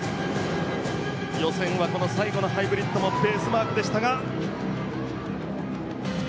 予選は最後のハイブリッドもベースマークでしたが。